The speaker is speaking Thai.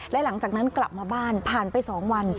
และหลังจากนั้นกลับมาบ้านผ่านไป๒วัน